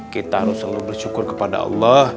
kita harus selalu bersyukur kepada allah